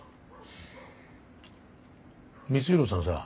光洋さんさ